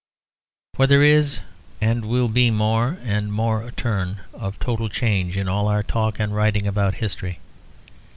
For there is and will be more and more a turn of total change in all our talk and writing about history.